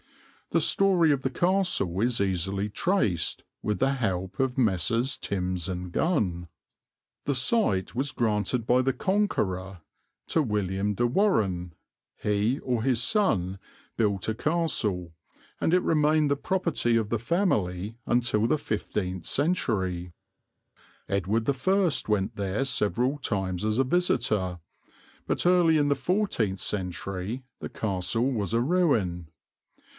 The story of the castle is easily traced with the help of Messrs. Timbs and Gunn. The site was granted by the Conqueror to William de Warrenne; he or his son built a castle, and it remained the property of the family until the fifteenth century. Edward I went there several times as a visitor, but early in the fourteenth century the castle was a ruin.